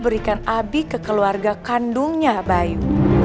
berikan abi ke keluarga kandungnya bayu